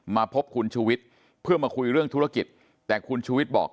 มาพบคุณชูวิทย์เพื่อมาคุยเรื่องธุรกิจแต่คุณชูวิทย์บอก